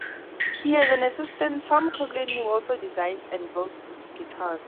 He has an assistant, Tom Coughlin, who also designs and builds guitars.